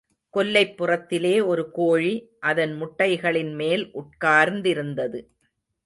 கொல்லைப் புறத்திலே ஒரு கோழி அதன் முட்டைகளின் மேல் உட்கார்ந்திருந்தது.